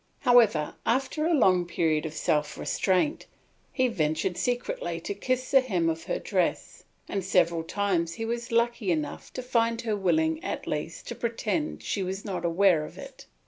However, after a long period of self restraint, he ventured secretly to kiss the hem of her dress, and several times he was lucky enough to find her willing at least to pretend she was not aware of it.